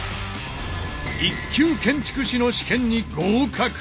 １級建築士の試験に合格！